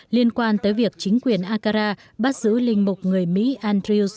liên quan tới việc chính quyền ankara bắt giữ linh mục người mỹ andrews